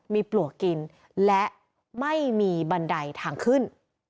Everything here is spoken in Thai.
มีปลวกกินและไม่มีบันไดทางขึ้น